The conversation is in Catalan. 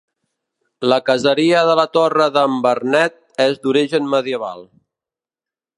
La caseria de la Torre d'en Vernet és d'origen medieval.